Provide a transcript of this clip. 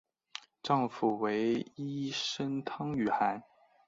丈夫为医生汤于翰。